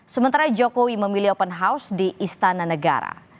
sementara jokowi memilih open house di istana negara